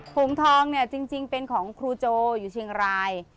หงทองจริงเป็นของครูโจอยู่เชียงราย